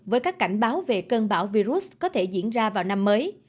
với các cảnh báo về cơn bão virus có thể diễn ra vào năm mới